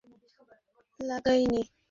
শালা হাত কেমনে লাগাইলি?